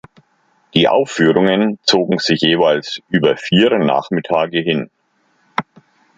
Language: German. Die Aufführungen zogen sich jeweils über vier Nachmittage hin.